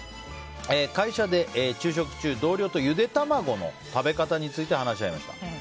会社で昼食中同僚とゆで卵の食べ方について話し合いました。